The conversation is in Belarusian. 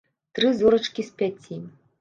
Тры зорачкі з пяці.